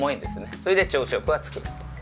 それで朝食は作っている。